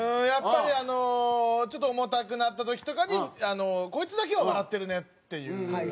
やっぱりちょっと重たくなった時とかにこいつだけは笑ってるねっていう。